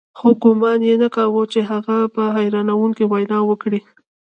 خو ګومان يې نه کاوه چې هغه به حيرانوونکې وينا وکړي.